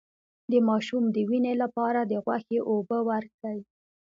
د ماشوم د وینې لپاره د غوښې اوبه ورکړئ